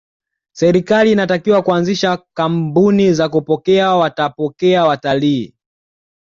serikali inatakiwa kuanzisha kambuni za kupokea watapokea watalii